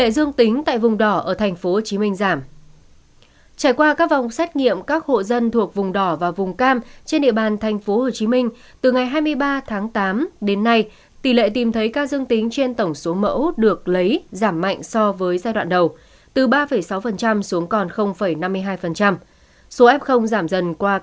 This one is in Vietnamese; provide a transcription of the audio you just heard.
các bạn hãy đăng ký kênh để ủng hộ kênh của chúng mình nhé